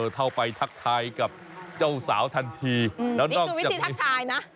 เข้าไปทักทายกับเจ้าสาวทันทีแล้วนอกจากทักทายนะ